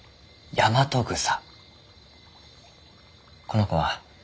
ヤマトグサ！